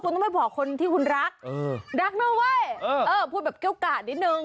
คุณต้องไปบอกคนที่คุณรักรักเนอะเว้ยเออพูดแบบเกี้ยวกาดนิดนึง